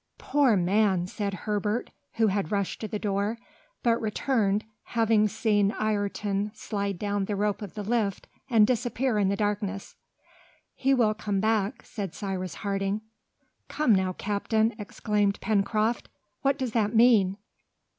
"Poor man!" said Herbert, who had rushed to the door, but returned, having seen Ayrton slide down the rope of the lift and disappear in the darkness. "He will come back," said Cyrus Harding. "Come now, captain," exclaimed Pencroft, "what does that mean?